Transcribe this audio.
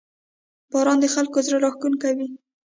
• باران د خلکو زړه راښکونکی وي.